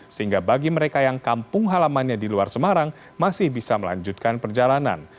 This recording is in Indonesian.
sehingga bagi mereka yang kampung halamannya di luar semarang masih bisa melanjutkan perjalanan